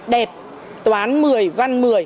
đẹp toán một mươi văn một mươi